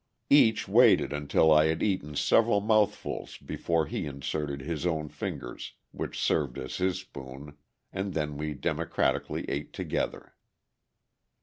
Each waited until I had eaten several mouthfuls before he inserted his own fingers, which served as his spoon, and then we democratically ate together.